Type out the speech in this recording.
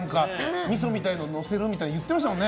みそみたいなのをのせるって言ってましたもんね。